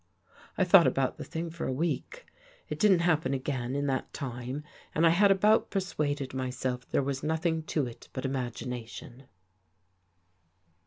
" I thought about the thing for a week. It didn't happen again in that time and I had about persuaded myself there was nothing to it but imagination.